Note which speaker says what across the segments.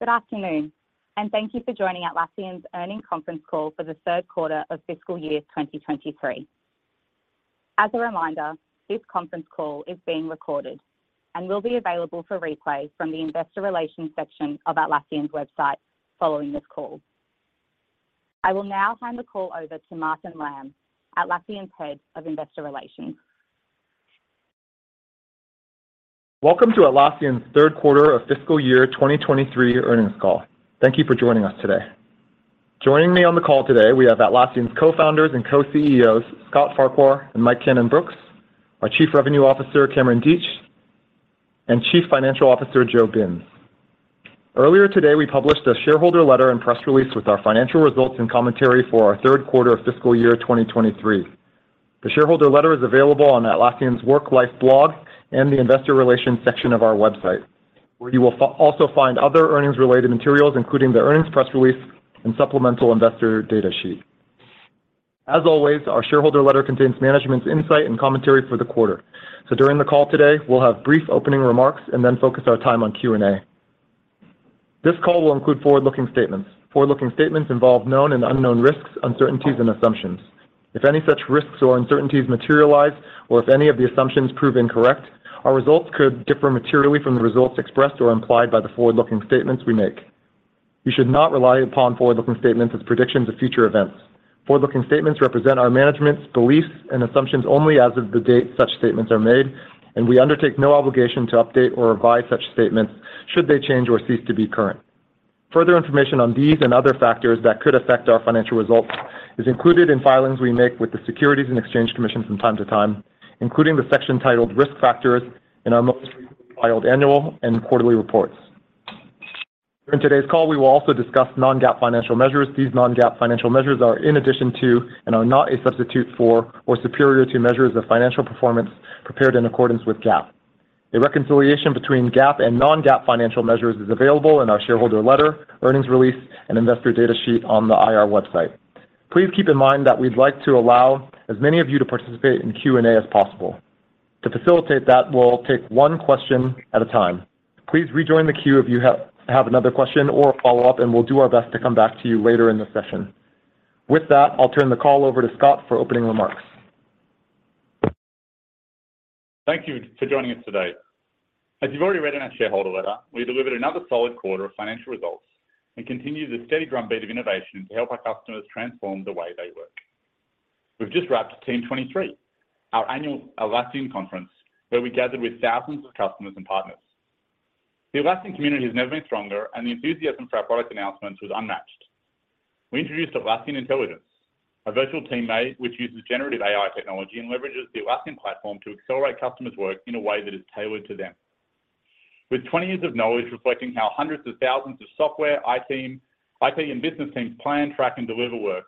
Speaker 1: Good afternoon, and thank you for joining Atlassian's earnings conference call for the third quarter of fiscal year 2023. As a reminder, this conference call is being recorded and will be available for replay from the investor relations section of Atlassian's website following this call. I will now hand the call over to Martin Lam, Atlassian's Head of investor relations.
Speaker 2: Welcome to Atlassian's third quarter of fiscal year 2023 earnings call. Thank you for joining us today. Joining me on the call today, we have Atlassian's co-founders and co-CEOs, Scott Farquhar and Mike Cannon-Brookes, our Chief Revenue Officer, Cameron Deatsch, and Chief Financial Officer, Joe Binz. Earlier today, we published a shareholder letter and press release with our financial results and commentary for our third quarter of fiscal year 2023. The shareholder letter is available on Atlassian's Work Life blog and the investor relations section of our website, where you will also find other earnings-related materials, including the earnings press release and supplemental investor data sheet. As always, our shareholder letter contains management's insight and commentary for the quarter. During the call today, we'll have brief opening remarks and then focus our time on Q&A. This call will include forward-looking statements. Forward-looking statements involve known and unknown risks, uncertainties, and assumptions. If any such risks or uncertainties materialize, or if any of the assumptions prove incorrect, our results could differ materially from the results expressed or implied by the forward-looking statements we make. You should not rely upon forward-looking statements as predictions of future events. Forward-looking statements represent our management's beliefs and assumptions only as of the date such statements are made, and we undertake no obligation to update or revise such statements should they change or cease to be current. Further information on these and other factors that could affect our financial results is included in filings we make with the Securities and Exchange Commission from time to time, including the section titled Risk Factors in our most recent filed annual and quarterly reports. During today's call, we will also discuss non-GAAP financial measures. These non-GAAP financial measures are in addition to and are not a substitute for or superior to measures of financial performance prepared in accordance with GAAP. A reconciliation between GAAP and non-GAAP financial measures is available in our shareholder letter, earnings release, and investor data sheet on the IR website. Please keep in mind that we'd like to allow as many of you to participate in Q&A as possible. To facilitate that, we'll take one question at a time. Please rejoin the queue if you have another question or follow-up, and we'll do our best to come back to you later in the session. With that, I'll turn the call over to Scott for opening remarks.
Speaker 3: Thank you for joining us today. As you've already read in our shareholder letter, we delivered another solid quarter of financial results and continue the steady drumbeat of innovation to help our customers transform the way they work. We've just wrapped Team 2023, our annual Atlassian conference, where we gathered with thousands of customers and partners. The Atlassian community has never been stronger, and the enthusiasm for our product announcements was unmatched. We introduced Atlassian Intelligence, a virtual teammate which uses generative AI technology and leverages the Atlassian platform to accelerate customers' work in a way that is tailored to them. With 20 years of knowledge reflecting how hundreds of thousands of software, IT and business teams plan, track, and deliver work,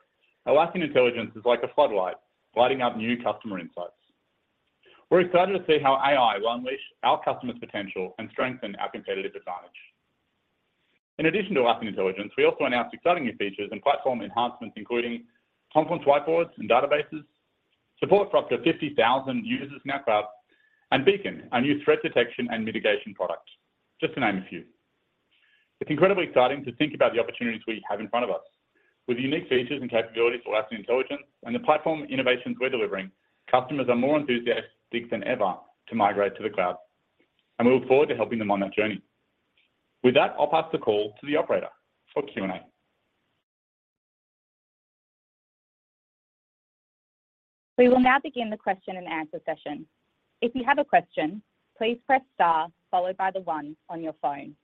Speaker 3: Atlassian Intelligence is like a spotlight lighting up new customer insights. We're excited to see how AI will unleash our customers' potential and strengthen our competitive advantage. In addition to Atlassian Intelligence, we also announced exciting new features and platform enhancements, including Confluence Whiteboards and databases, support for up to 50,000 users in our cloud, and Beacon, our new threat detection and mitigation product, just to name a few. It's incredibly exciting to think about the opportunities we have in front of us. With the unique features and capabilities of Atlassian Intelligence and the platform innovations we're delivering, customers are more enthusiastic than ever to migrate to the cloud, and we look forward to helping them on that journey. With that, I'll pass the call to the operator for Q&A.
Speaker 1: We will now begin the question and answer session. If you have a question, please press star followed by the one on your phone.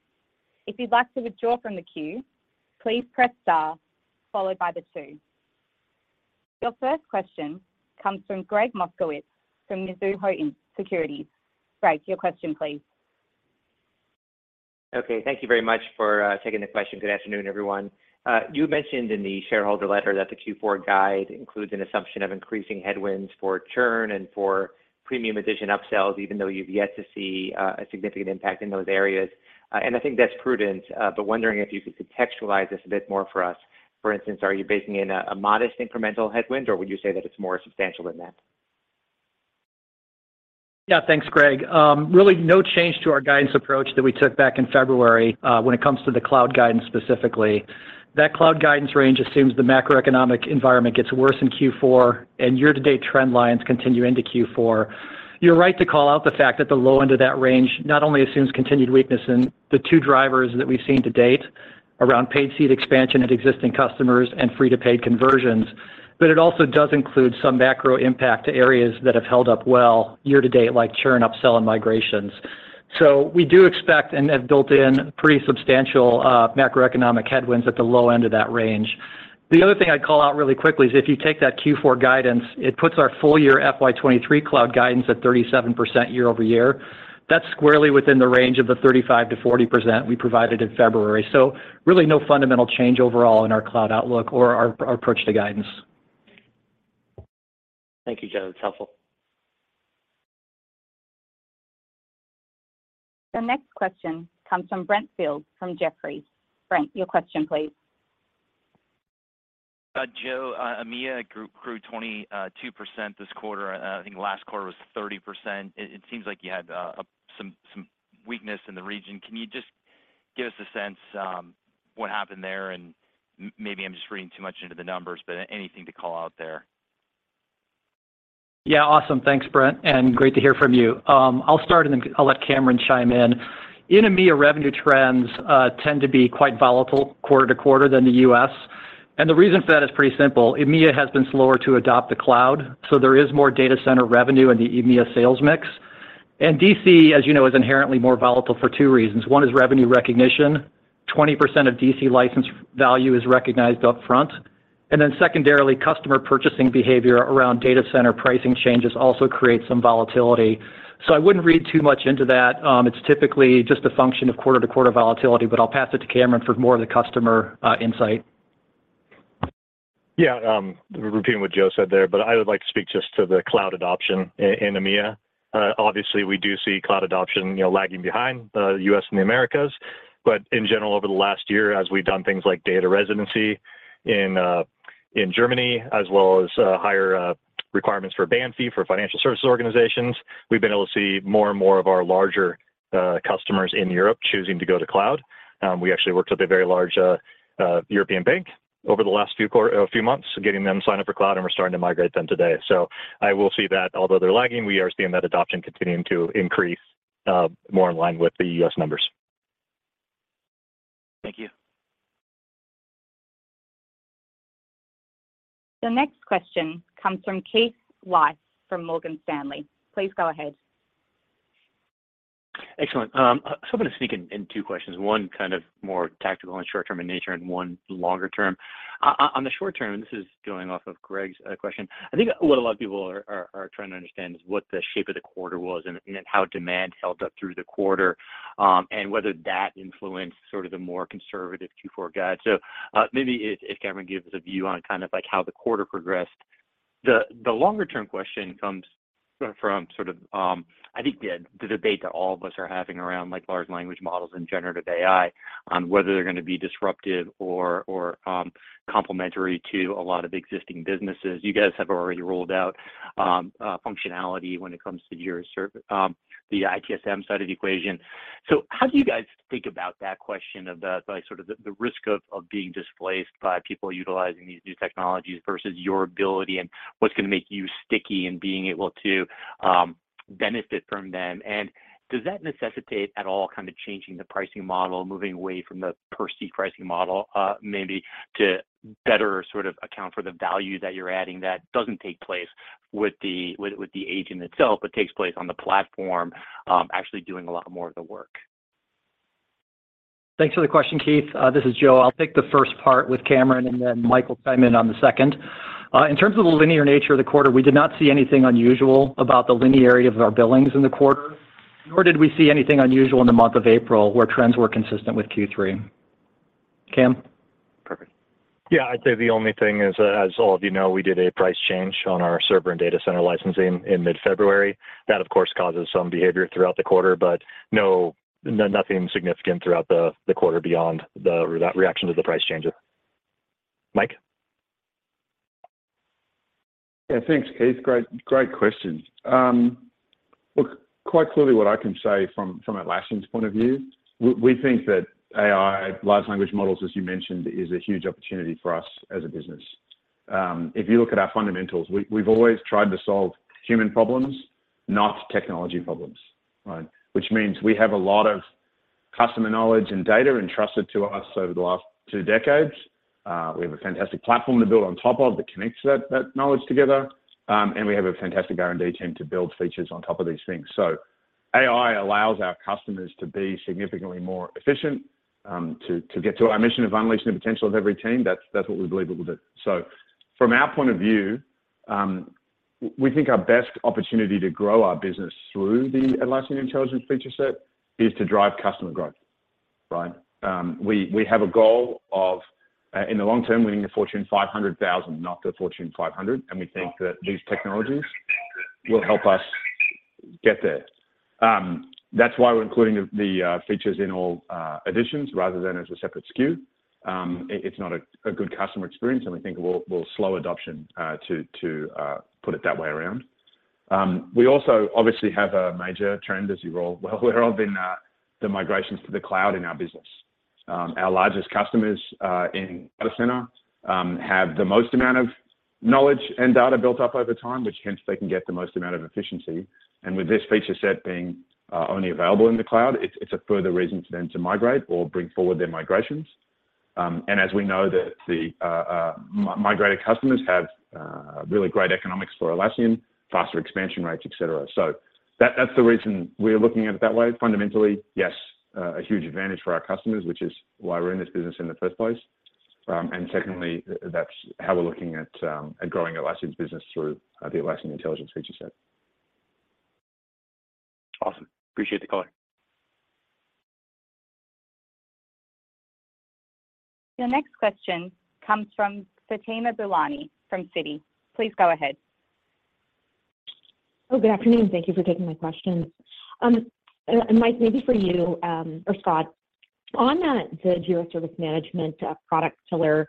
Speaker 1: If you'd like to withdraw from the queue, please press star followed by the two. Your first question comes from Gregg Moskowitz from Mizuho Securities. Greg, your question, please.
Speaker 4: Okay. Thank you very much for taking the question. Good afternoon, everyone. You mentioned in the shareholder letter that the Q4 guide includes an assumption of increasing headwinds for churn and for premium edition upsells, even though you've yet to see a significant impact in those areas, and I think that's prudent. Wondering if you could contextualize this a bit more for us. For instance, are you baking in a modest incremental headwind, or would you say that it's more substantial than that?
Speaker 5: Yeah. Thanks, Gregg. Really no change to our guidance approach that we took back in February when it comes to the cloud guidance specifically. That cloud guidance range assumes the macroeconomic environment gets worse in Q4 and year-to-date trend lines continue into Q4. You're right to call out the fact that the low end of that range not only assumes continued weakness in the two drivers that we've seen to date around paid seat expansion at existing customers and free-to-paid conversions, but it also does include some macro impact to areas that have held up well year to date, like churn, upsell, and migrations. We do expect and have built in pretty substantial macroeconomic headwinds at the low end of that range. The other thing I'd call out really quickly is if you take that Q4 guidance, it puts our full year FY 2023 cloud guidance at 37% year-over-year. That's squarely within the range of the 35%-40% we provided in February. Really no fundamental change overall in our cloud outlook or our approach to guidance.
Speaker 4: Thank you, Joe. That's helpful.
Speaker 1: The next question comes from Brent Thill from Jefferies. Brent, your question, please.
Speaker 6: Joe, EMEA group grew 22% this quarter. I think last quarter was 30%. It seems like you had some weakness in the region. Can you just give us a sense what happened there? Maybe I'm just reading too much into the numbers, but anything to call out there?
Speaker 5: Yeah, awesome. Thanks, Brent, and great to hear from you. I'll start and then I'll let Cameron chime in. In EMEA, revenue trends tend to be quite volatile quarter-to-quarter than the U.S., and the reason for that is pretty simple. EMEA has been slower to adopt the cloud. There is more data center revenue in the EMEA sales mix. D.C., as you know, is inherently more volatile for two reasons. One is revenue recognition. 20% of D.C. license value is recognized up front. Secondarily, customer purchasing behavior around data center pricing changes also creates some volatility. I wouldn't read too much into that. It's typically just a function of quarter-to-quarter volatility, but I'll pass it to Cameron for more of the customer insight.
Speaker 7: Repeating what Joe said there, I would like to speak just to the cloud adoption in EMEA. Obviously, we do see cloud adoption, you know, lagging behind U.S. and the Americas. In general, over the last year, as we've done things like data residency in Germany, as well as higher requirements for NBFI for financial services organizations, we've been able to see more and more of our larger customers in Europe choosing to go to cloud. We actually worked with a very large European bank over the last few months, getting them signed up for cloud, and we're starting to migrate them today. I will see that although they're lagging, we are seeing that adoption continuing to increase more in line with the U.S. numbers.
Speaker 6: Thank you.
Speaker 1: The next question comes from Keith Weiss from Morgan Stanley. Please go ahead.
Speaker 8: Excellent. I'm gonna sneak in two questions, one kind of more tactical and short-term in nature and one longer term. On the short term, this is going off of Greg's question. I think what a lot of people are trying to understand is what the shape of the quarter was and how demand held up through the quarter, and whether that influenced sort of the more conservative Q4 guide. Maybe if Cameron gives a view on kind of like how the quarter progressed. The longer term question comes from sort of, I think the debate that all of us are having around, like, large language models and generative AI on whether they're gonna be disruptive or complementary to a lot of existing businesses. You guys have already ruled out functionality when it comes to the ITSM side of the equation. How do you guys think about that question about, like, sort of the risk of being displaced by people utilizing these new technologies versus your ability and what's gonna make you sticky and being able to benefit from them? Does that necessitate at all kind of changing the pricing model, moving away from the per seat pricing model, maybe to better sort of account for the value that you're adding that doesn't take place with the agent itself, but takes place on the platform, actually doing a lot more of the work?
Speaker 5: Thanks for the question, Keith. This is Joe. I'll take the first part with Cameron, and then Mike will chime in on the second. In terms of the linear nature of the quarter, we did not see anything unusual about the linearity of our billings in the quarter, nor did we see anything unusual in the month of April, where trends were consistent with Q3. Cam?
Speaker 7: Perfect. Yeah. I'd say the only thing is, as all of you know, we did a price change on our server and data center licensing in mid-February. That, of course, causes some behavior throughout the quarter, but no nothing significant throughout the quarter beyond that reaction to the price changes. Mike?
Speaker 9: Thanks, Keith. Great questions. Look, quite clearly what I can say from Atlassian's point of view, we think that AI large language models, as you mentioned, is a huge opportunity for us as a business. If you look at our fundamentals, we've always tried to solve human problems, not technology problems, right? We have a lot of customer knowledge and data entrusted to us over the last two decades. We have a fantastic platform to build on top of that connects that knowledge together, and we have a fantastic R&D team to build features on top of these things. AI allows our customers to be significantly more efficient, to get to our mission of unleashing the potential of every team. That's what we believe it will do. From our point of view, we think our best opportunity to grow our business through the Atlassian Intelligence feature set is to drive customer growth, right? We have a goal of in the long term, winning the Fortune 500,000, not the Fortune 500, we think that these technologies will help us get there. That's why we're including the features in all additions rather than as a separate SKU. It's not a good customer experience, we think will slow adoption to put it that way around. We also obviously have a major trend, as you're all well aware of, in the migrations to the cloud in our business. Our largest customers in data center have the most amount of knowledge and data built up over time, which hence they can get the most amount of efficiency. With this feature set being only available in the cloud, it's a further reason for them to migrate or bring forward their migrations. As we know that the migrated customers have really great economics for Atlassian, faster expansion rates, et cetera. That's the reason we're looking at it that way. Fundamentally, yes, a huge advantage for our customers, which is why we're in this business in the first place. Secondly, that's how we're looking at growing Atlassian's business through the Atlassian Intelligence feature set.
Speaker 8: Awesome. Appreciate the color.
Speaker 1: Your next question comes from Fatima Boolani from Citi. Please go ahead.
Speaker 10: Good afternoon. Thank you for taking my questions. Mike, maybe for you, or Scott, on that, the Jira Service Management product pillar,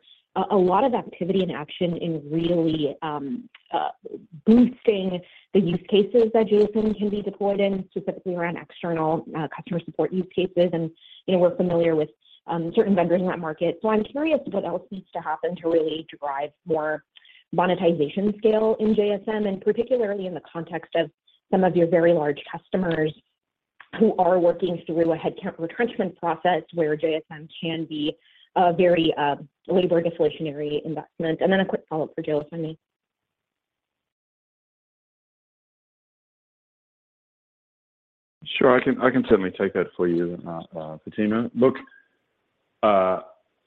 Speaker 10: a lot of activity and action in really boosting the use cases that JSM can be deployed in, specifically around external customer support use cases. You know, we're familiar with certain vendors in that market. I'm curious what else needs to happen to really drive more monetization scale in JSM, and particularly in the context of some of your very large customers who are working through a headcount retrenchment process where JSM can be a very labor deflationary investment. Then a quick follow-up for Joe if I may.
Speaker 9: Sure. I can certainly take that for you, Fatima. Look,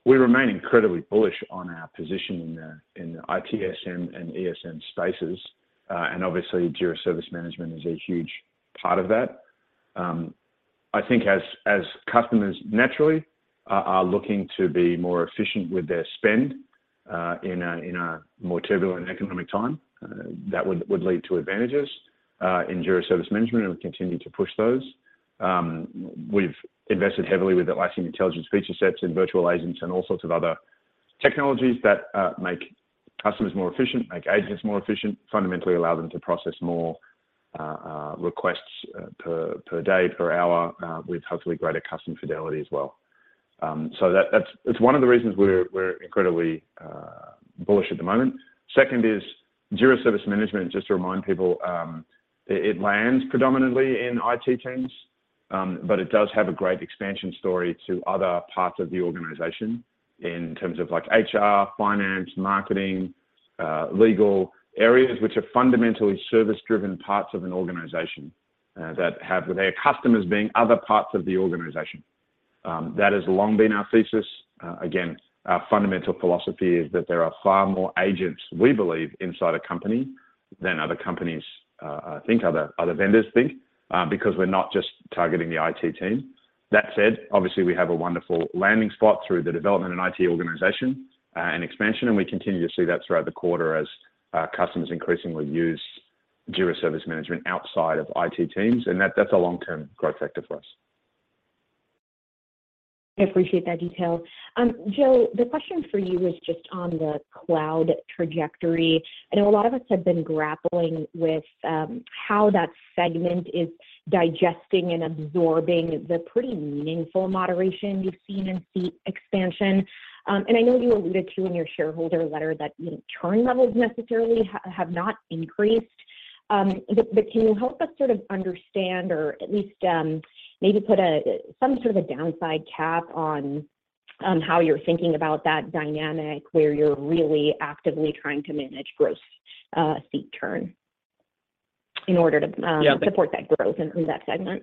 Speaker 9: we remain incredibly bullish on our position in the ITSM and ESM spaces, and obviously Jira Service Management is a huge part of that. I think as customers naturally are looking to be more efficient with their spend, in a more turbulent economic time, that would lead to advantages in Jira Service Management, and we continue to push those. We've invested heavily with Atlassian Intelligence feature sets and virtual agents and all sorts of other technologies that make customers more efficient, make agents more efficient, fundamentally allow them to process more requests per day, per hour, with hopefully greater customer fidelity as well. That's one of the reasons we're incredibly bullish at the moment. Second is Jira Service Management, just to remind people, it lands predominantly in IT teams, but it does have a great expansion story to other parts of the organization in terms of like HR, finance, marketing, legal areas which are fundamentally service-driven parts of an organization that have their customers being other parts of the organization. That has long been our thesis. Again, our fundamental philosophy is that there are far more agents, we believe, inside a company than other companies, I think other vendors think, because we're not just targeting the IT team. That said, obviously, we have a wonderful landing spot through the development and IT organization, and expansion, and we continue to see that throughout the quarter as customers increasingly use Jira Service Management outside of IT teams, and that's a long-term growth factor for us.
Speaker 10: I appreciate that detail. Joe, the question for you is just on the cloud trajectory. I know a lot of us have been grappling with, how that segment is digesting and absorbing the pretty meaningful moderation you've seen in seat expansion. I know you alluded to in your shareholder letter that, you know, churn levels necessarily have not increased. But can you help us sort of understand or at least, maybe put a, some sort of a downside cap on how you're thinking about that dynamic where you're really actively trying to manage gross, seat churn in order to.
Speaker 5: Yeah.
Speaker 10: support that growth in that segment?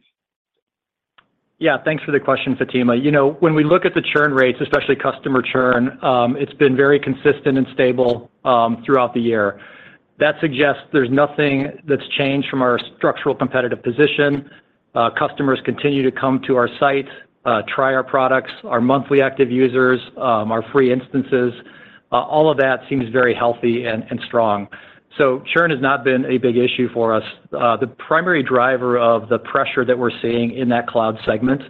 Speaker 5: Yeah. Thanks for the question, Fatima. You know, when we look at the churn rates, especially customer churn, it's been very consistent and stable throughout the year. That suggests there's nothing that's changed from our structural competitive position. Customers continue to come to our site, try our products, our monthly active users, our free instances, all of that seems very healthy and strong. Churn has not been a big issue for us. The primary driver of the pressure that we're seeing in that cloud segment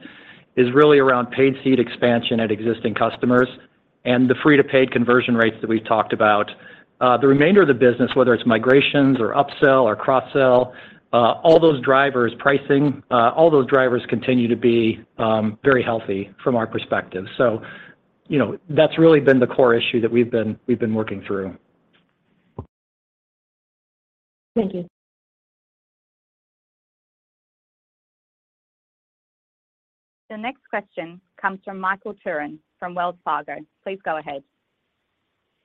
Speaker 5: is really around paid seat expansion at existing customers and the free-to-paid conversion rates that we've talked about. The remainder of the business, whether it's migrations or upsell or cross-sell, all those drivers, pricing, all those drivers continue to be very healthy from our perspective. You know, that's really been the core issue that we've been working through.
Speaker 10: Thank you.
Speaker 1: The next question comes from Michael Turrin from Wells Fargo. Please go ahead.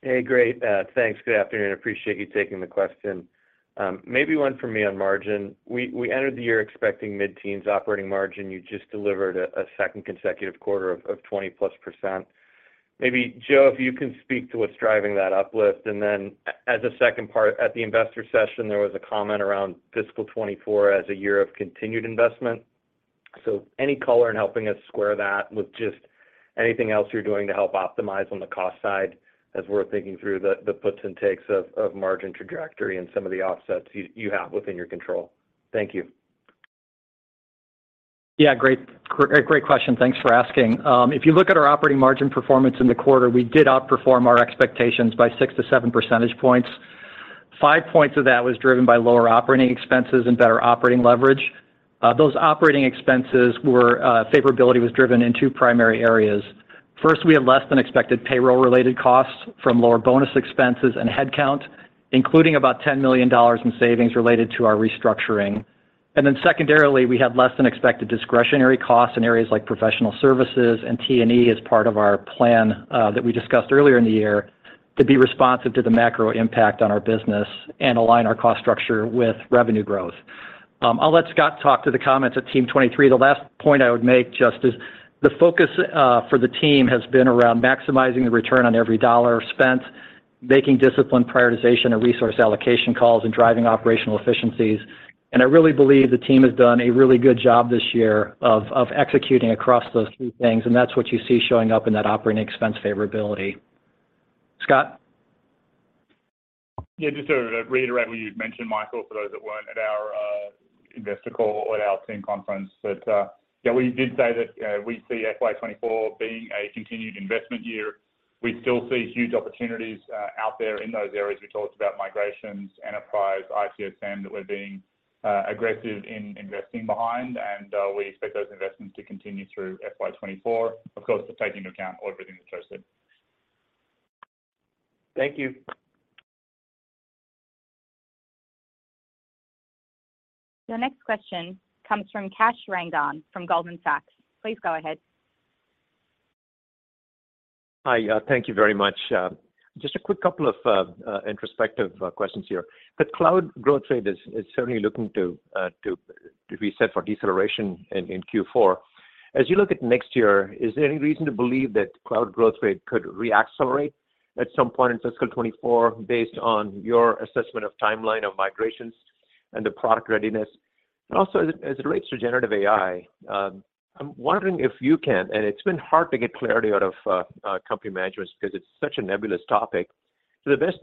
Speaker 11: Hey, great. Thanks. Good afternoon. I appreciate you taking the question. Maybe one for me on margin. We entered the year expecting mid-teens operating margin. You just delivered a second consecutive quarter of 20%+. Maybe, Joe, if you can speak to what's driving that uplift. As a second part, at the investor session, there was a comment around fiscal 2024 as a year of continued investment. Any color in helping us square that with just anything else you're doing to help optimize on the cost side as we're thinking through the puts and takes of margin trajectory and some of the offsets you have within your control. Thank you.
Speaker 5: Yeah, great. Great question. Thanks for asking. If you look at our operating margin performance in the quarter, we did outperform our expectations by six-seven percentage points. Five points of that was driven by lower operating expenses and better operating leverage. Those operating expenses were favorability was driven in two primary areas. First, we had less than expected payroll-related costs from lower bonus expenses and headcount, including about $10 million in savings related to our restructuring. Secondarily, we had less than expected discretionary costs in areas like professional services and T&E as part of our plan that we discussed earlier in the year to be responsive to the macro impact on our business and align our cost structure with revenue growth. I'll let Scott talk to the comments at Team 2023. The last point I would make just is the focus for the team has been around maximizing the return on every dollar spent, making disciplined prioritization and resource allocation calls, and driving operational efficiencies. I really believe the team has done a really good job this year of executing across those three things, and that's what you see showing up in that operating expense favorability. Scott?
Speaker 3: Yeah, just to reiterate what you'd mentioned, Michael, for those that weren't at our investor call or at our team conference. Yeah, we did say that we see FY 2024 being a continued investment year. We still see huge opportunities out there in those areas. We talked about migrations, enterprise, ITSM, that we're being aggressive in investing behind. We expect those investments to continue through FY 2024, of course, to take into account everything that Joe said.
Speaker 11: Thank you.
Speaker 1: Your next question comes from Kash Rangan from Goldman Sachs. Please go ahead.
Speaker 12: Hi. Thank you very much. Just a quick couple of introspective questions here. The cloud growth rate is certainly looking to be set for deceleration in Q4. As you look at next year, is there any reason to believe that cloud growth rate could re-accelerate at some point in fiscal 2024 based on your assessment of timeline of migrations and the product readiness? Also as it relates to generative AI, I'm wondering if you can, and it's been hard to get clarity out of company managers 'cause it's such a nebulous topic. To the best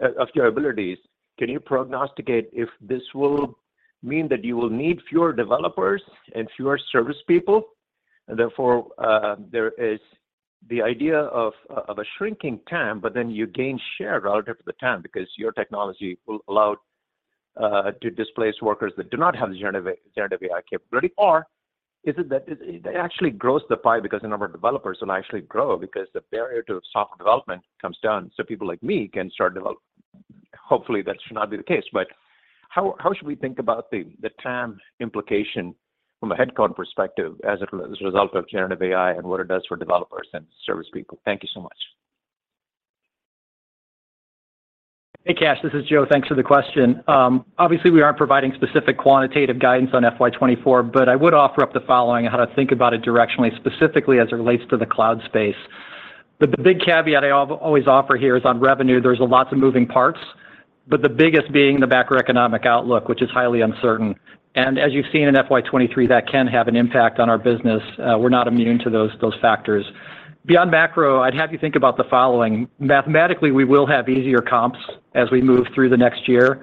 Speaker 12: of your abilities, can you prognosticate if this will mean that you will need fewer developers and fewer service people, and therefore, there is the idea of a shrinking TAM, but then you gain share relative to the TAM because your technology will allow to displace workers that do not have the generative AI capability? Is it that it actually grows the pie because the number of developers will actually grow because the barrier to software development comes down, so people like me can start develop? Hopefully, that should not be the case. How should we think about the TAM implication from a headcount perspective as a result of generative AI and what it does for developers and service people? Thank you so much.
Speaker 5: Hey, Kash. This is Joe. Thanks for the question. Obviously, we aren't providing specific quantitative guidance on FY 2024, but I would offer up the following on how to think about it directionally, specifically as it relates to the cloud space. The big caveat I always offer here is on revenue, there's lots of moving parts, but the biggest being the macroeconomic outlook, which is highly uncertain. As you've seen in FY 2023, that can have an impact on our business. We're not immune to those factors. Beyond macro, I'd have you think about the following. Mathematically, we will have easier comps as we move through the next year.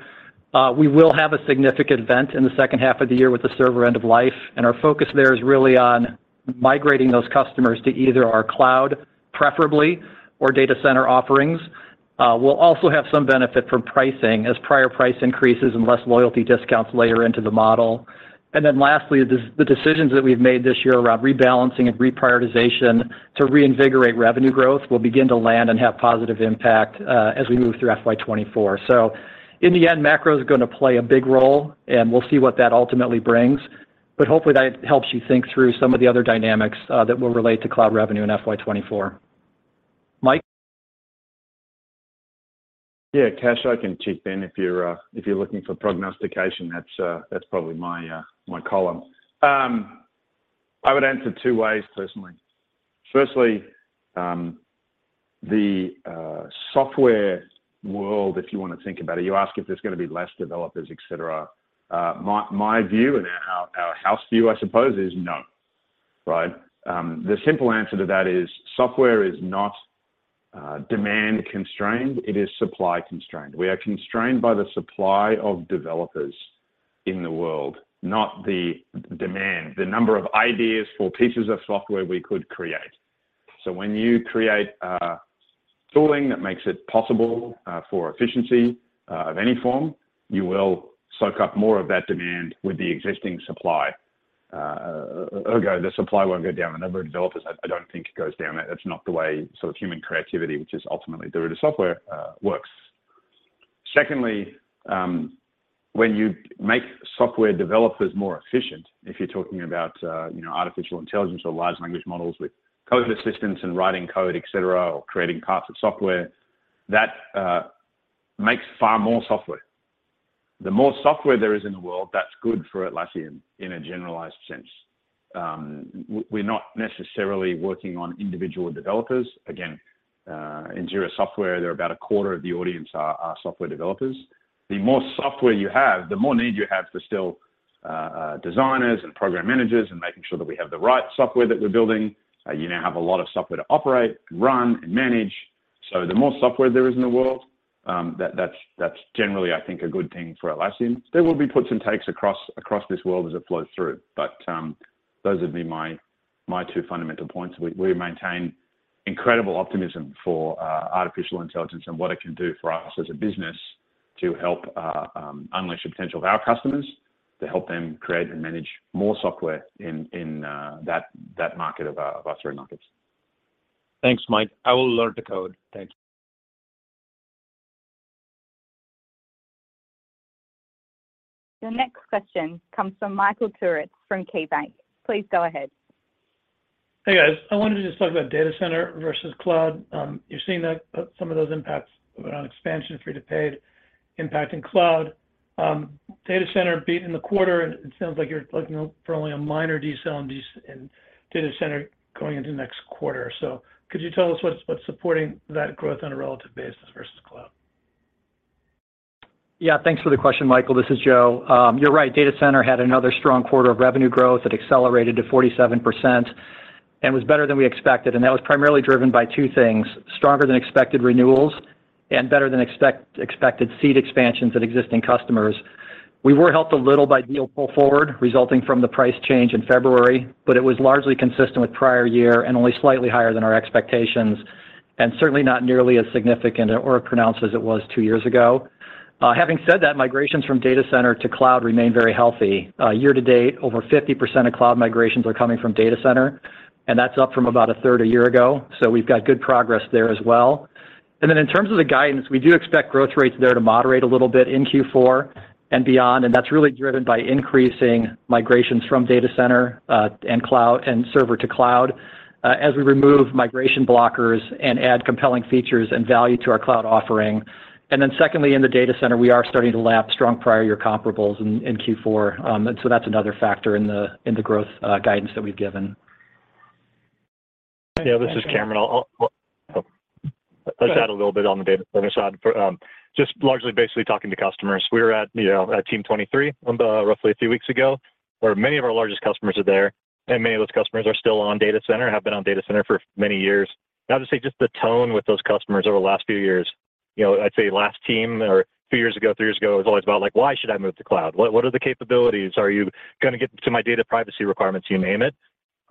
Speaker 5: We will have a significant event in the second half of the year with the server end of life, and our focus there is really on migrating those customers to either our cloud, preferably, or data center offerings. We'll also have some benefit from pricing as prior price increases and less loyalty discounts layer into the model. Lastly, the decisions that we've made this year around rebalancing and reprioritization to reinvigorate revenue growth will begin to land and have positive impact as we move through FY 2024. In the end, macro is gonna play a big role, and we'll see what that ultimately brings. Hopefully that helps you think through some of the other dynamics that will relate to cloud revenue in FY 2024. Mike?
Speaker 9: Yeah, Kash, I can chip in. If you're, if you're looking for prognostication, that's probably my column. I would answer two ways personally. Firstly, the software world, if you wanna think about it, you ask if there's gonna be less developers, et cetera. My, my view and our house view, I suppose, is no, right? The simple answer to that is software is not demand constrained, it is supply constrained. We are constrained by the supply of developers in the world, not the demand, the number of ideas for pieces of software we could create. When you create tooling that makes it possible for efficiency of any form, you will soak up more of that demand with the existing supply. Ergo, the supply won't go down. The number of developers, I don't think goes down. That's not the way sort of human creativity, which is ultimately the root of software works. Secondly, when you make software developers more efficient, if you're talking about, you know, artificial intelligence or large language models with code assistance and writing code, et cetera, or creating parts of software, that makes far more software. The more software there is in the world, that's good for Atlassian in a generalized sense. We're not necessarily working on individual developers. Again, in Jira Software, they're about a quarter of the audience are software developers. The more software you have, the more need you have for still, designers and program managers and making sure that we have the right software that we're building. You now have a lot of software to operate, run, and manage. The more software there is in the world, that's generally, I think, a good thing for Atlassian. There will be puts and takes across this world as it flows through, but those would be my two fundamental points. We maintain incredible optimism for artificial intelligence and what it can do for us as a business to help unleash the potential of our customers, to help them create and manage more software in that market of our certain markets.
Speaker 12: Thanks, Mike. I will learn to code. Thanks.
Speaker 1: Your next question comes from Michael Turits from KeyBanc. Please go ahead.
Speaker 13: Hey, guys. I wanted to just talk about data center versus cloud. you're seeing that some of those impacts around expansion free to paid impacting cloud. data center beat in the quarter, and it sounds like you're looking for only a minor decel in data center going into next quarter. Could you tell us what's supporting that growth on a relative basis versus cloud?
Speaker 5: Yeah, thanks for the question, Michael. This is Joe. You're right. Data center had another strong quarter of revenue growth that accelerated to 47% and was better than we expected. That was primarily driven by two things, stronger than expected renewals and better than expected seed expansions at existing customers. We were helped a little by deal pull forward resulting from the price change in February, but it was largely consistent with prior year and only slightly higher than our expectations, and certainly not nearly as significant or pronounced as it was two years ago. Having said that, migrations from data center to cloud remain very healthy. Year to date, over 50% of cloud migrations are coming from data center, and that's up from about a third a year ago. We've got good progress there as well. In terms of the guidance, we do expect growth rates there to moderate a little bit in Q4 and beyond, and that's really driven by increasing migrations from data center, and cloud and server to cloud, as we remove migration blockers and add compelling features and value to our cloud offering. Secondly, in the data center, we are starting to lap strong prior year comparables in Q4. That's another factor in the growth guidance that we've given.
Speaker 7: Yeah, this is Cameron. I'll add a little bit on the data center side for just largely basically talking to customers. We were at, you know, at Team 2023 roughly a few weeks ago, where many of our largest customers are there, and many of those customers are still on data center, have been on data center for many years. I have to say, just the tone with those customers over the last few years, you know, I'd say last team or a few years ago, three years ago, it was always about like, "Why should I move to cloud? What, what are the capabilities? Are you gonna get to my data privacy requirements?" You name it.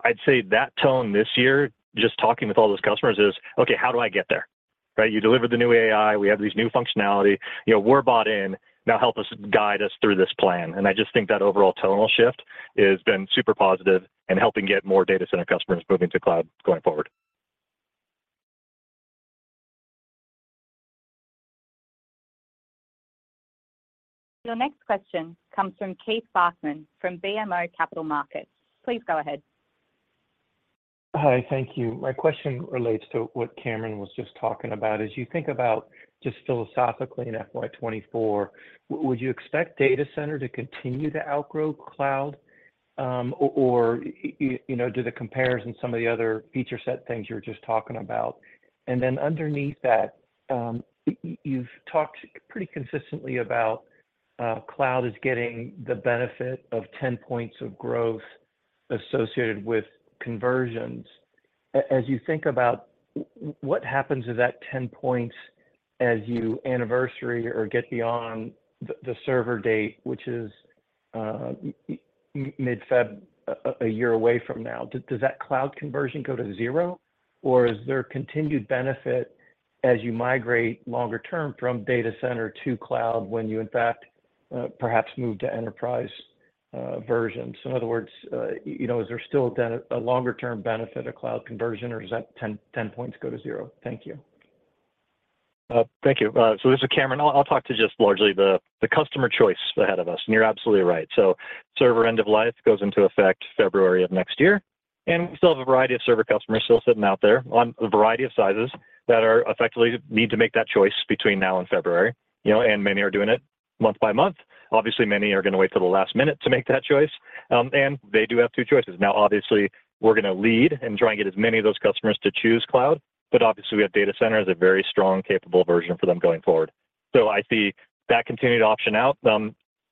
Speaker 7: I'd say that tone this year, just talking with all those customers is, "Okay, how do I get there? Right, you delivered the new AI, we have this new functionality, you know, we're bought in. Now help us guide us through this plan." I just think that overall tonal shift has been super positive in helping get more data center customers moving to cloud going forward.
Speaker 1: Your next question comes from Keith Bachman from BMO Capital Markets. Please go ahead.
Speaker 14: Hi. Thank you. My question relates to what Cameron was just talking about. As you think about just philosophically in FY 2024, would you expect data center to continue to outgrow cloud, or, you know, do the compares and some of the other feature set things you were just talking about? Underneath that, you've talked pretty consistently about cloud is getting the benefit of 10 points of growth associated with conversions. As you think about what happens to that 10 points as you anniversary or get beyond the server date, which is mid-Feb, a year away from now. Does that cloud conversion go to zero, or is there continued benefit as you migrate longer term from data center to cloud when you, in fact, perhaps move to enterprise versions? In other words, you know, is there still a longer term benefit of cloud conversion, or does that 10 points go to zero? Thank you.
Speaker 7: Thank you. This is Cameron. I'll talk to just largely the customer choice ahead of us. You're absolutely right. Server end of life goes into effect February of next year. We still have a variety of server customers still sitting out there on a variety of sizes that are effectively need to make that choice between now and February. You know, many are doing it month by month. Obviously, many are gonna wait till the last minute to make that choice. They do have two choices. Now, obviously, we're gonna lead in trying to get as many of those customers to choose cloud, obviously, we have data center as a very strong, capable version for them going forward. I see that continued to option out.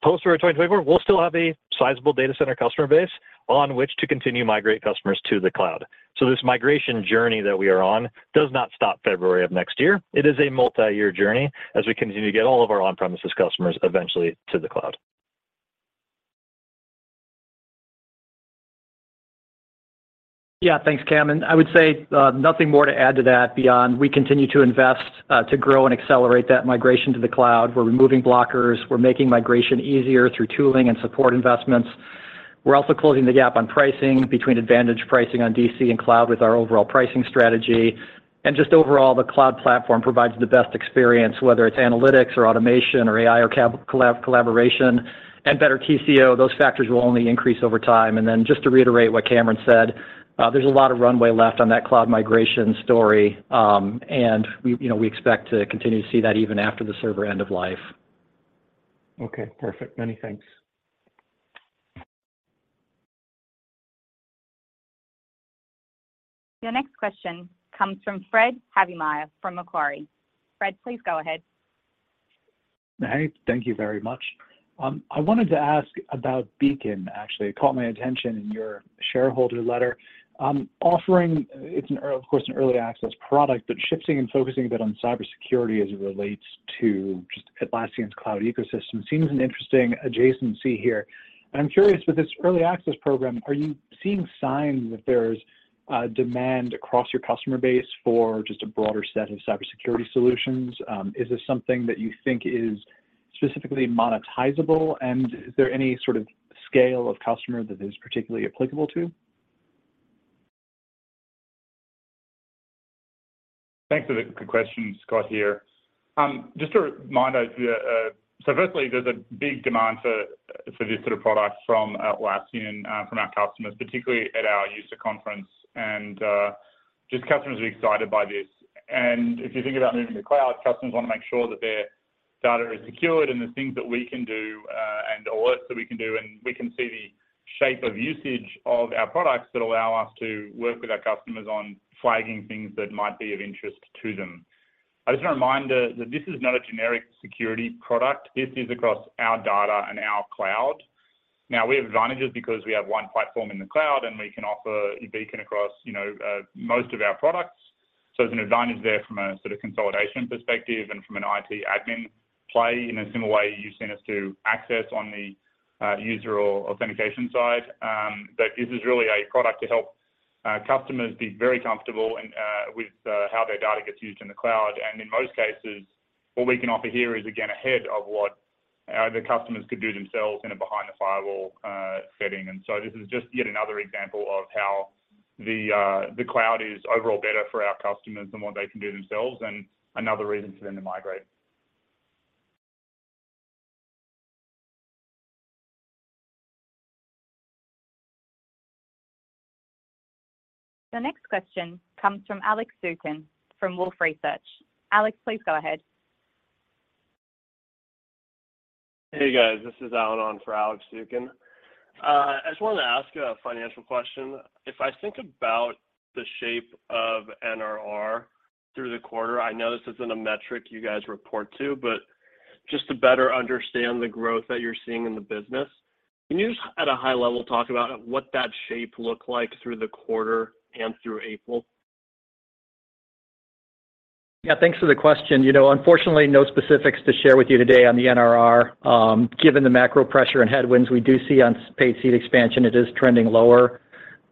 Speaker 7: Post 2024, we'll still have a sizable data center customer base on which to continue migrate customers to the cloud. This migration journey that we are on does not stop February of next year. It is a multi-year journey as we continue to get all of our on-premises customers eventually to the cloud.
Speaker 5: Yeah. Thanks, Cam. I would say, nothing more to add to that beyond we continue to invest, to grow and accelerate that migration to the cloud. We're removing blockers. We're making migration easier through tooling and support investments. We're also closing the gap on pricing between advantage pricing on DC and cloud with our overall pricing strategy. Just overall, the cloud platform provides the best experience, whether it's analytics or automation or AI or collaboration and better TCO. Those factors will only increase over time. Just to reiterate what Cameron said, there's a lot of runway left on that cloud migration story. we, you know, we expect to continue to see that even after the server end of life.
Speaker 14: Okay. Perfect. Many thanks.
Speaker 1: Your next question comes from Fred Havemeyer from Macquarie. Fred, please go ahead.
Speaker 15: Hey, thank you very much. I wanted to ask about Beacon, actually. It caught my attention in your shareholder letter. offering, it's of course, an early access product, but shifting and focusing a bit on cybersecurity as it relates to just Atlassian's cloud ecosystem seems an interesting adjacency here. I'm curious, with this early access program, are you seeing signs that there's a demand across your customer base for just a broader set of cybersecurity solutions? Is this something that you think is specifically monetizable, and is there any sort of scale of customer that it is particularly applicable to?
Speaker 3: Thanks for the good question. Scott here. Just a reminder to you that, firstly, there's a big demand for this sort of product from Atlassian, from our customers, particularly at our user conference, and just customers are excited by this. If you think about moving to cloud, customers wanna make sure that their data is secured, and the things that we can do, Work that we can do, and we can see the shape of usage of our products that allow us to work with our customers on flagging things that might be of interest to them. Just a reminder that this is not a generic security product. This is across our data and our cloud. We have advantages because we have one platform in the cloud, and we can offer Beacon across, you know, most of our products. There's an advantage there from a sort of consolidation perspective and from an IT admin play in a similar way you've seen us to access on the user or authentication side. This is really a product to help customers be very comfortable in with how their data gets used in the cloud. In most cases, what we can offer here is, again, ahead of what the customers could do themselves in a behind-the-firewall setting. This is just yet another example of how the cloud is overall better for our customers than what they can do themselves and another reason for them to migrate.
Speaker 1: The next question comes from Alex Zukin from Wolfe Research. Alex, please go ahead.
Speaker 16: Hey, guys. This is Allan on for Alex Zukin. I just wanted to ask a financial question. If I think about the shape of NRR through the quarter, I know this isn't a metric you guys report to, but just to better understand the growth that you're seeing in the business, can you just at a high level talk about what that shape looked like through the quarter and through April?
Speaker 5: Yeah. Thanks for the question. You know, unfortunately, no specifics to share with you today on the NRR. Given the macro pressure and headwinds we do see on paid seat expansion, it is trending lower.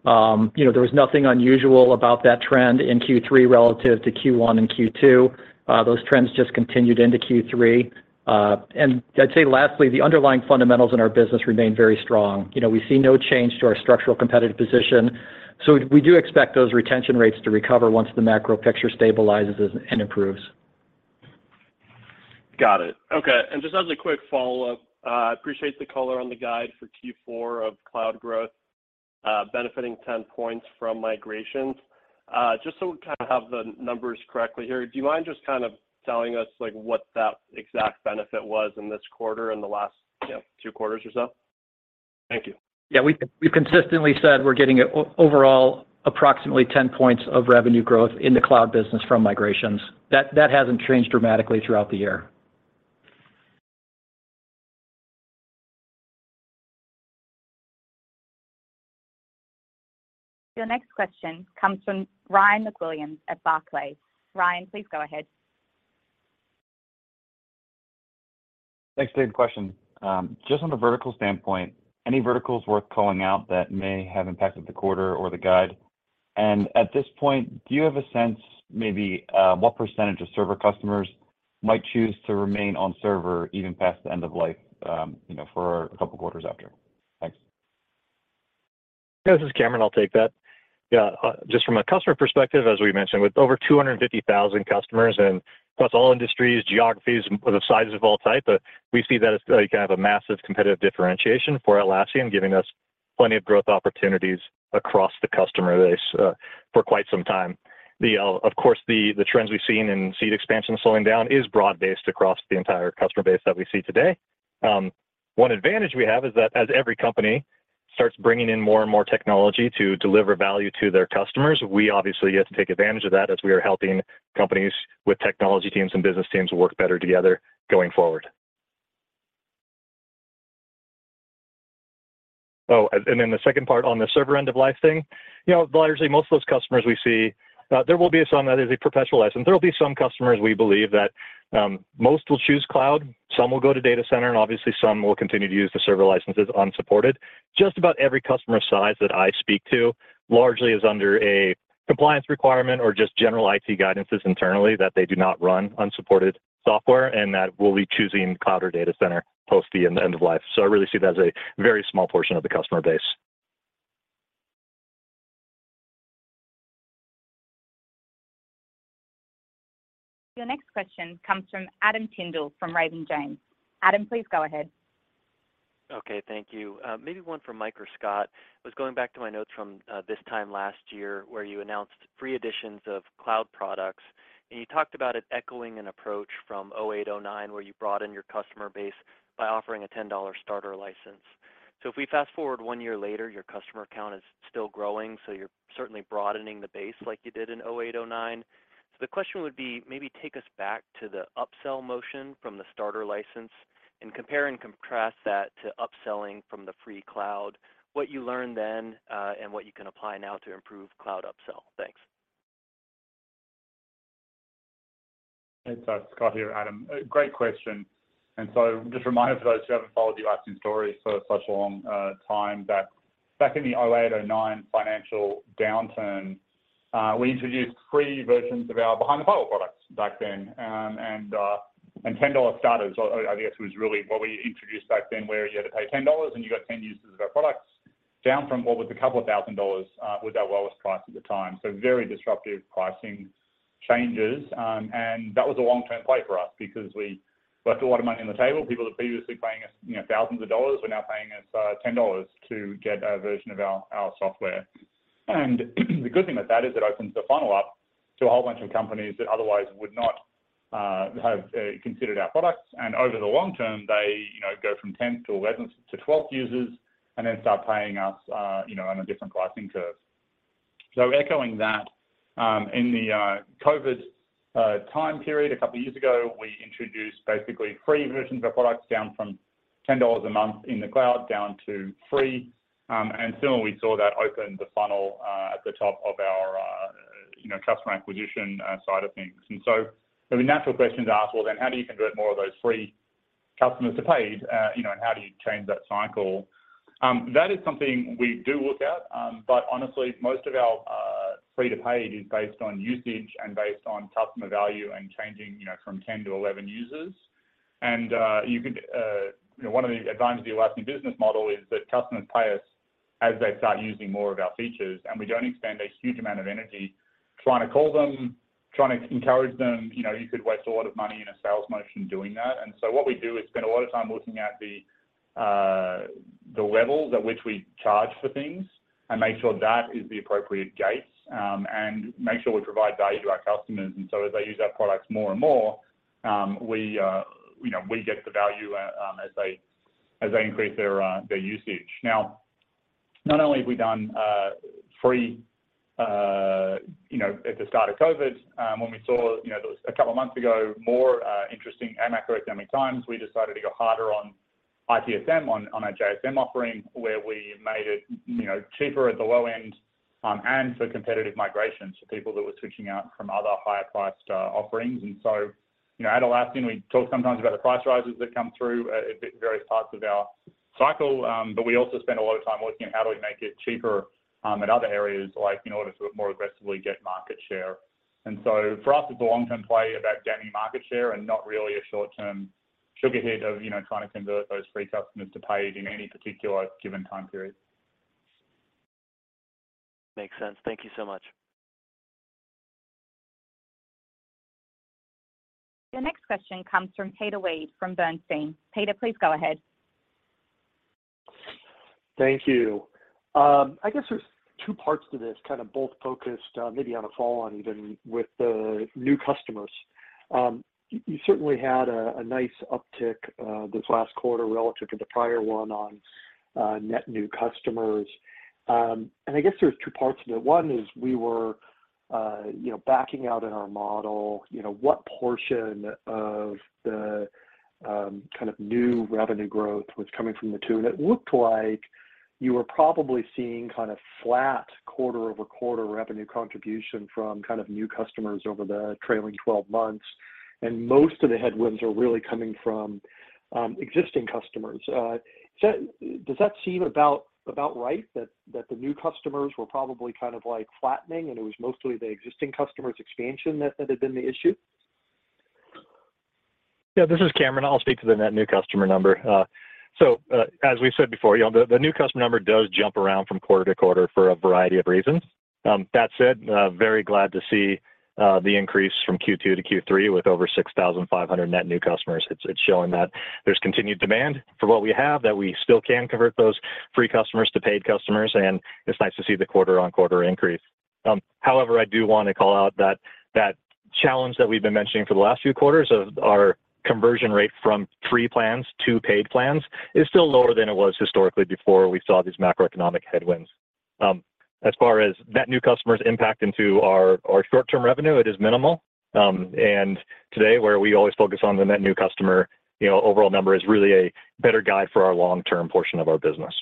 Speaker 5: You know, there was nothing unusual about that trend in Q3 relative to Q1 and Q2. Those trends just continued into Q3. I'd say lastly, the underlying fundamentals in our business remain very strong. You know, we see no change to our structural competitive position. We do expect those retention rates to recover once the macro picture stabilizes and improves.
Speaker 16: Got it. Okay. Just as a quick follow-up, I appreciate the color on the guide for Q4 of cloud growth, benefiting 10 points from migrations. Just so we kind of have the numbers correctly here, do you mind just kind of telling us, like, what that exact benefit was in this quarter and the last, you know, two quarters or so? Thank you.
Speaker 5: Yeah. We've consistently said we're getting overall approximately 10 points of revenue growth in the cloud business from migrations. That hasn't changed dramatically throughout the year.
Speaker 1: Your next question comes from Ryan MacWilliams at Barclays. Ryan, please go ahead.
Speaker 17: Thanks. Great question. Just on the vertical standpoint, any verticals worth calling out that may have impacted the quarter or the guide? At this point, do you have a sense maybe what % of server customers might choose to remain on server even past the end of life, you know, for a couple quarters after? Thanks.
Speaker 7: This is Cameron, I'll take that. Just from a customer perspective, as we mentioned, with over 250,000 customers and across all industries, geographies, the sizes of all type, we see that as, like, kind of a massive competitive differentiation for Atlassian, giving us plenty of growth opportunities across the customer base, for quite some time. Of course, the trends we've seen in seat expansion slowing down is broad-based across the entire customer base that we see today. One advantage we have is that as every company starts bringing in more and more technology to deliver value to their customers, we obviously get to take advantage of that as we are helping companies with technology teams and business teams work better together going forward. The second part on the server end-of-life thing, you know, largely most of those customers we see, there will be some that is a perpetual license. There will be some customers we believe that most will choose cloud, some will go to data center, and obviously some will continue to use the server licenses unsupported. Just about every customer size that I speak to largely is under a compliance requirement or just general IT guidances internally that they do not run unsupported software, and that we'll be choosing cloud or data center post the end of life. I really see that as a very small portion of the customer base.
Speaker 1: Your next question comes from Kirk Materne from Raymond James. Adam, please go ahead.
Speaker 18: Okay. Thank you. Maybe one for Mike or Scott. Was going back to my notes from this time last year where you announced free editions of cloud products, and you talked about it echoing an approach from 2008, 2009, where you broadened your customer base by offering a $10 starter license. If we fast-forward 1 year later, your customer count is still growing, so you're certainly broadening the base like you did in 2008-2009. The question would be maybe take us back to the upsell motion from the starter license and compare and contrast that to upselling from the free cloud, what you learned then, and what you can apply now to improve cloud upsell. Thanks.
Speaker 3: It's Scott here, Adam. A great question. Just a reminder for those who haven't followed the Atlassian story for such a long time, that back in the 2008-2009 financial downturn, we introduced free versions of our behind-the-firewall products back then. And $10 starters, I guess, was really what we introduced back then, where you had to pay $10, and you got 10 users of our products, down from what a couple of thousand dollars was our lowest price at the time. Very disruptive pricing changes. That was a long-term play for us because we left a lot of money on the table. People that previously paying us, you know, thousands of dollars were now paying us $10 to get a version of our software. The good thing with that is it opens the funnel up to a whole bunch of companies that otherwise would not have considered our products, and over the long term they, you know, go from 10 to 11 to 12 users, and then start paying us, you know, on a different pricing curve. Echoing that, in the COVID time period a couple years ago, we introduced basically free versions of our products down from $10 a month in the cloud down to free. Soon we saw that open the funnel at the top of our, you know, customer acquisition side of things. I mean, natural question to ask, well then how do you convert more of those free customers to paid? You know, how do you change that cycle? That is something we do look at, but honestly, most of our free to paid is based on usage and based on customer value and changing, you know, from 10 to 11 users. You could, you know, one of the advantages of the Atlassian business model is that customers pay us as they start using more of our features, and we don't expend a huge amount of energy trying to call them, trying to encourage them. You know, you could waste a lot of money in a sales motion doing that. What we do is spend a lot of time looking at the levels at which we charge for things and make sure that is the appropriate gates, and make sure we provide value to our customers. As they use our products more and more, we, you know, we get the value as they increase their usage. Not only have we done free, you know, at the start of COVID, when we saw, you know, a couple of months ago, more interesting and macroeconomic times, we decided to go harder on ITSM on our JSM offering, where we made it, you know, cheaper at the low end, and for competitive migrations for people that were switching out from other higher priced offerings. You know, at Atlassian, we talk sometimes about the price rises that come through at various parts of our cycle, but we also spend a lot of time looking at how do we make it cheaper, in other areas, like in order to more aggressively get market share. For us, it's a long-term play about gaining market share and not really a short-term sugar hit of, you know, trying to convert those free customers to paid in any particular given time period.
Speaker 18: Makes sense. Thank you so much.
Speaker 1: Your next question comes from Peter Weed from Bernstein. Peter, please go ahead.
Speaker 19: Thank you. I guess there's two parts to this, kind of both focused, maybe on a follow-on even with the new customers. You certainly had a nice uptick this last quarter relative to the prior one on net new customers. I guess there's two parts to that. One is we were, you know, backing out in our model, you know, what portion of the kind of new revenue growth was coming from the two. It looked like you were probably seeing kind of flat quarter-over-quarter revenue contribution from kind of new customers over the trailing 12 months, and most of the headwinds are really coming from existing customers. Does that seem about right that the new customers were probably kind of like flattening and it was mostly the existing customers expansion that had been the issue?
Speaker 7: This is Cameron. I'll speak to the net new customer number. As we've said before, you know, the new customer number does jump around from quarter to quarter for a variety of reasons. That said, very glad to see the increase from Q2 to Q3 with over 6,500 net new customers. It's showing that there's continued demand for what we have, that we still can convert those free customers to paid customers, and it's nice to see the quarter-on-quarter increase. However, I do want to call out that challenge that we've been mentioning for the last few quarters of our conversion rate from free plans to paid plans is still lower than it was historically before we saw these macroeconomic headwinds. As far as net new customers impact into our short-term revenue, it is minimal. Today, where we always focus on the net new customer, you know, overall number is really a better guide for our long-term portion of our business.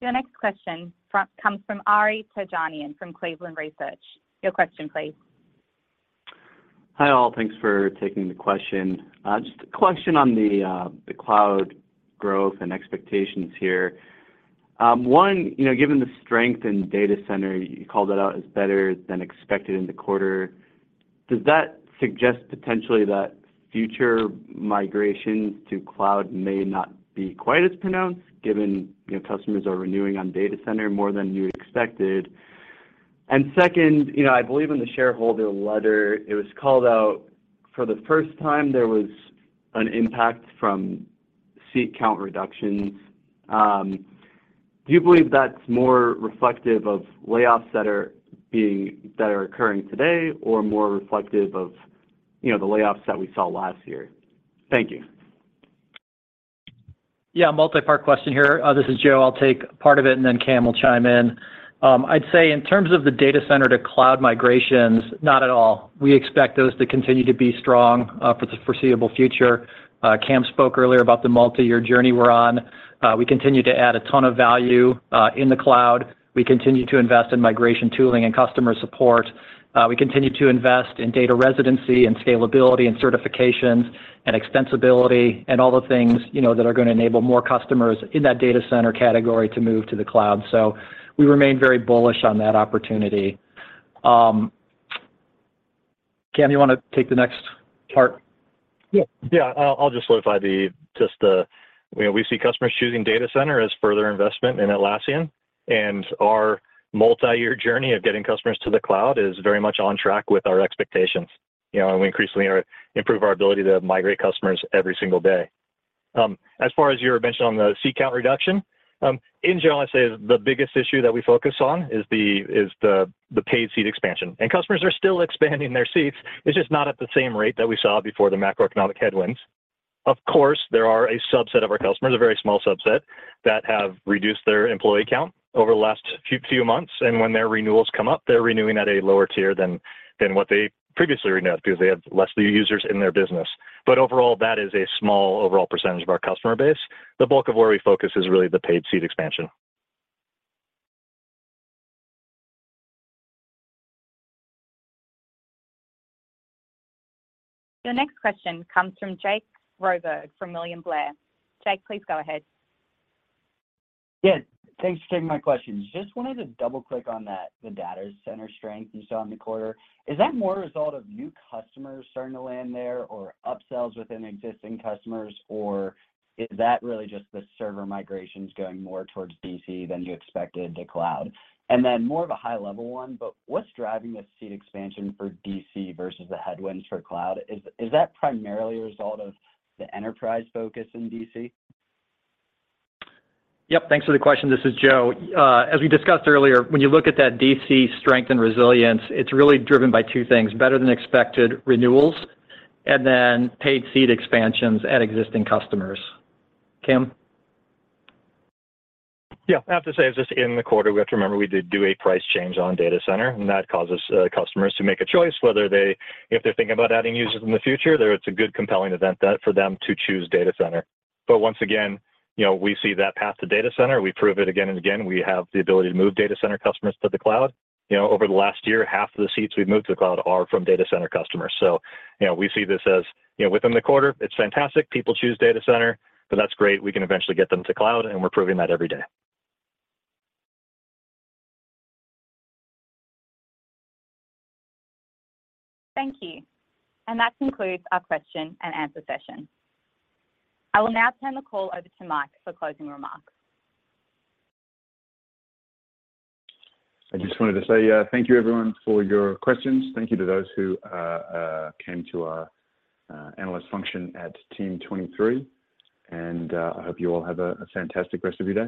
Speaker 1: Your next question comes from Arjun Majumdar from Cleveland Research Company. Your question please.
Speaker 20: Hi, all. Thanks for taking the question. Just a question on the cloud growth and expectations here. One, you know, given the strength in data center, you called it out as better than expected in the quarter, does that suggest potentially that future migrations to cloud may not be quite as pronounced given, you know, customers are renewing on data center more than you expected? Second, you know, I believe in the shareholder letter it was called out for the first time there was an impact from seat count reductions. Do you believe that's more reflective of layoffs that are occurring today or more reflective of, you know, the layoffs that we saw last year? Thank you.
Speaker 5: Yeah. Multi-part question here. This is Joe. I'll take part of it and then Cam will chime in. I'd say in terms of the data center to cloud migrations, not at all. We expect those to continue to be strong for the foreseeable future. Cam spoke earlier about the multi-year journey we're on. We continue to add a ton of value in the cloud. We continue to invest in migration tooling and customer support. We continue to invest in data residency and scalability and certifications and extensibility and all the things, you know, that are gonna enable more customers in that data center category to move to the cloud. We remain very bullish on that opportunity. Cam, you wanna take the next part?
Speaker 7: Yeah. Yeah. I'll just solidify just the, you know, we see customers choosing data center as further investment in Atlassian, and our multi-year journey of getting customers to the cloud is very much on track with our expectations. You know, and we increasingly improve our ability to migrate customers every single day. As far as your mention on the seat count reduction, in general, I'd say the biggest issue that we focus on is the paid seat expansion. Customers are still expanding their seats, it's just not at the same rate that we saw before the macroeconomic headwinds. Of course, there are a subset of our customers, a very small subset, that have reduced their employee count over the last few months, and when their renewals come up, they're renewing at a lower tier than what they previously renewed at because they have less users in their business. Overall, that is a small overall percentage of our customer base. The bulk of where we focus is really the paid seat expansion.
Speaker 1: The next question comes from Jake Roberge from William Blair. Jake, please go ahead.
Speaker 21: Yeah. Thanks for taking my questions. Just wanted to double-click on that, the Data Center strength you saw in the quarter. Is that more a result of new customers starting to land there or upsells within existing customers, or is that really just the server migrations going more towards DC than you expected to Cloud? More of a high level one, but what's driving the seat expansion for DC versus the headwinds for Cloud? Is that primarily a result of the enterprise focus in DC?
Speaker 5: Yep. Thanks for the question. This is Joe. As we discussed earlier, when you look at that DC strength and resilience, it's really driven by two things, better than expected renewals and then paid seat expansions at existing customers. Cam?
Speaker 7: I have to say, it's just in the quarter, we have to remember we did do a price change on data center. That causes customers to make a choice if they're thinking about adding users in the future, then it's a good compelling event that for them to choose data center. Once again, you know, we see that path to data center. We prove it again and again. We have the ability to move data center customers to the cloud. You know, over the last year, half of the seats we've moved to the cloud are from data center customers. You know, we see this as, you know, within the quarter, it's fantastic, people choose data center. That's great, we can eventually get them to cloud. We're proving that every day.
Speaker 1: Thank you. That concludes our question and answer session. I will now turn the call over to Mike for closing remarks.
Speaker 9: I just wanted to say, thank you everyone for your questions. Thank you to those who came to our analyst function at Team 2023. I hope you all have a fantastic rest of your day.